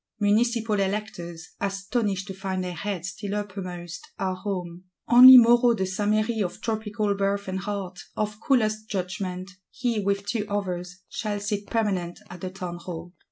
Municipal Electors, astonished to find their heads still uppermost, are home: only Moreau de Saint Méry of tropical birth and heart, of coolest judgment; he, with two others, shall sit permanent at the Townhall.